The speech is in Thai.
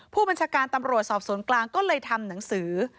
ผู้บัญชาการตำรวจสอบสวนกลางก็เลยทำหนังสือ